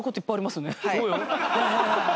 そうよ。